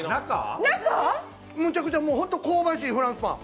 むちゃくちゃ、本当香ばしいフランスパン。